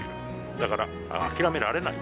だから、諦められない。